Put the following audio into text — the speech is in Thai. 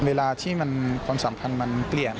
เวลาที่ความสำคัญมันเปลี่ยน